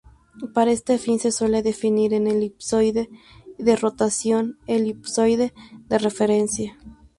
Para este fin se suele definir un Elipsoide de rotación o Elipsoide de referencia.